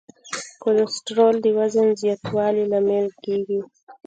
کورټیسول د وزن زیاتوالي لامل کېږي.